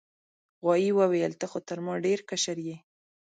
غوايي وویل ته خو تر ما ډیر کشر یې.